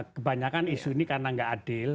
kebanyakan isu ini karena nggak adil